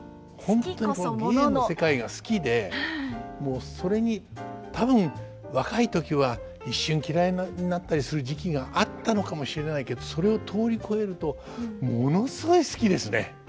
本当にこの芸の世界が好きでもうそれに多分若い時は一瞬嫌いになったりする時期があったのかもしれないけどそれを通りこえるとものすごい好きですね。